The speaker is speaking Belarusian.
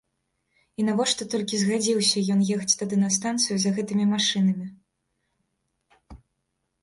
І навошта толькі згадзіўся ён ехаць тады на станцыю за гэтымі машынамі.